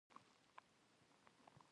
غرونه د افغانانو د ژوند طرز اغېزمنوي.